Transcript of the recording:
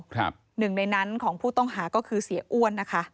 หนึ่งในนั้นของผู้ต้องหาก็คือเสียอ้วนนะคะ